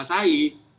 itu yang dia kuasai